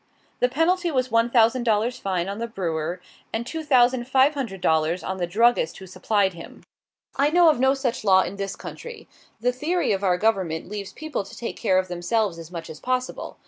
The penalty was one thousand dollars fine on the brewer, and two thousand five hundred dollars on the druggist who supplied him. I know of no such law in this country. The theory of our government leaves people to take care of themselves as much as possible.